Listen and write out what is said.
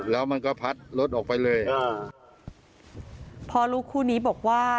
แล้วมันก็พัดรถออกไปเลยอ้าวพ่อลูกคู่นี้บอกว่า